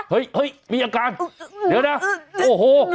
เฮ้ยมีอาการเดี๋ยวนะโอ้โห